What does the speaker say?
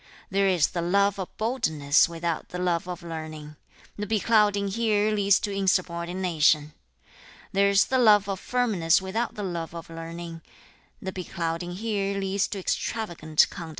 There is the love of straightforwardness without the love of learning; the beclouding here leads to rudeness. There is the love of boldness without the love of learning; the beclouding here leads to insubordination.